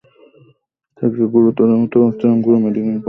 তাঁকে গুরুতর আহত অবস্থায় রংপুর মেডিকেল কলেজ হাসপাতালে ভর্তি করা হয়েছে।